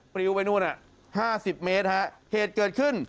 ปลิวไปนู่นห้าสิบเมตรฮะเหตุเกิดขึ้น